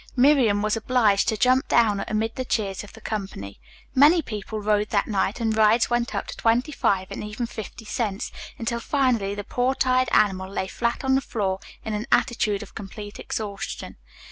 Miriam was obliged to jump down amid the cheers of the company. Many people rode that night, and rides went up to twenty five and even fifty cents, until finally the poor, tired animal lay flat on the floor in an attitude of complete exhaustion.